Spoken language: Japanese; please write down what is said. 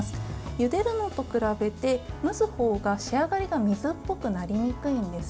ゆでるのと比べて、蒸すほうが仕上がりが水っぽくなりにくいんです。